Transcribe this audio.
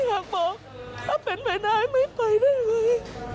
อยากบอกถ้าเป็นไปได้ไม่ไปได้เลย